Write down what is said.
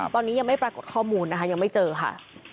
ตอนนี้ยังไม่ปรากฏข้อมูลนะคะยังไม่เจอค่ะ